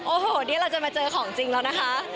โอ้โหนี่เราจะมาเจอของจริงแล้วนะคะ